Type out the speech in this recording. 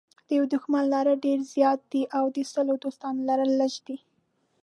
د یوه دښمن لرل ډېر زیات دي او د سلو دوستانو لرل لږ دي.